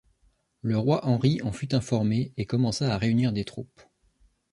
Le roi Henri en fut informé et commença à réunir des troupes.